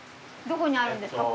どこにあるんですか？